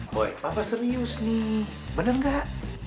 boy apa serius nih bener gak